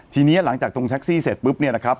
ทีนี้หลังจากตรงแท็กซี่เสร็จปุ๊บเนี่ยนะครับ